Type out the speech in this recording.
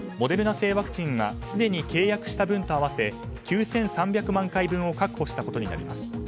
製ワクチンはすでに契約した分と合わせ９３００万回分を確保したことになります。